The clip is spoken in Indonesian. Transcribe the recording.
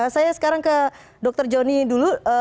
saya sekarang ke dr joni dulu